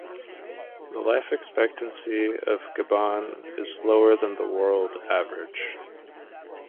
The life expectancy of Gabon is lower than the world average.